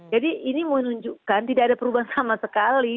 jadi ini menunjukkan tidak ada perubahan sama sekali